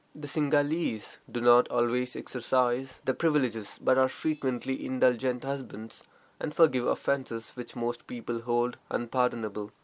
The Singhalese do not always exercise their privileges, but are frequently indulgent husbands, and forgive offenses which most people hold unpardonable.